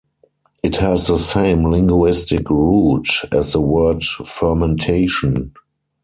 It has the same linguistic root as the word fermentation.